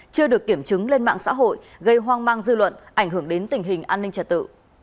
chưa được kiểm chứng lên mạng xã hội gây hoang mang dư luận ảnh hưởng đến tình hình an ninh trật tự